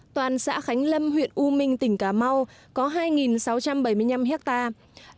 toàn xã khánh lâm huyện u minh tỉnh cà mau có hai sáu trăm bảy mươi năm hectare